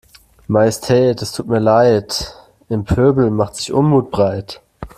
Majestät es tut mir Leid, im Pöbel macht sich Unmut breit.